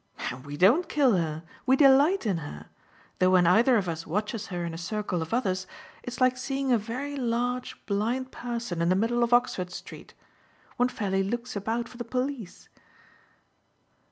And we don't kill her we delight in her; though when either of us watches her in a circle of others it's like seeing a very large blind person in the middle of Oxford Street. One fairly looks about for the police."